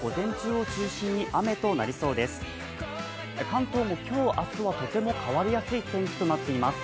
関東も今日、明日はとても変わりやすい天気となっています。